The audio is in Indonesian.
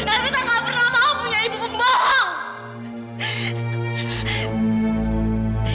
evita gak pernah mengakui ibu membohong